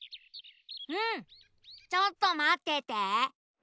うんちょっとまってて。